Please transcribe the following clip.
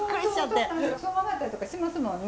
そのままやったりとかしますもんね。